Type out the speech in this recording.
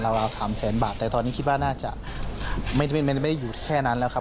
ราว๓แสนบาทแต่ตอนนี้คิดว่าน่าจะไม่ได้อยู่แค่นั้นแล้วครับ